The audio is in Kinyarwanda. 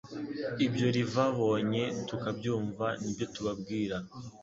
Ibyo rivabonye, tukabyumva, ni byo tubabwira."